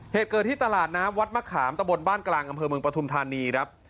เหตุเกิดที่ตลาดน้ำวัดมะขามตะบนบ้านกลางอำเภอเมืองปฐุมธานีครับ